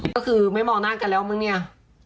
ก็คือก็ที่ไม่มองนานกันแล้วเมืองเนี่ย